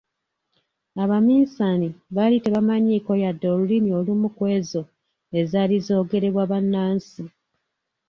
Abaminsani baali tebamanyiiko yadde Olulimi olumu ku ezo ezaali zoogerebwa bannansi.